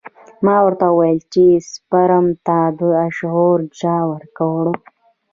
ما ورته وويل چې سپرم ته دا شعور چا ورکړى.